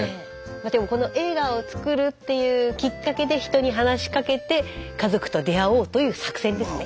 でもこの映画を作るっていうきっかけで人に話しかけて家族と出会おうという作戦ですね。